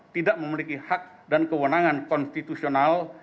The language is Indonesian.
tidak memiliki hak dan kewenangan konstitusional